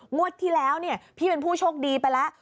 งวดที่แล้วเนี่ยพี่เป็นผู้โชคดีไปแล้ว